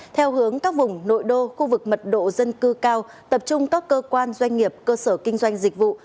theo hướng các vùng nội đô khu vực mật độ dân cư cao tập trung các cơ quan doanh nghiệp cơ sở kinh doanh dịch vụ